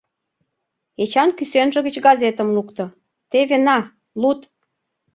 — Эчан кӱсенже гыч газетым лукто: — Теве на, луд!